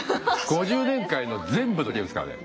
５０年間の全部のゲームですからね。